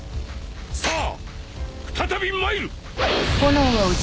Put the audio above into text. さあ再び参る！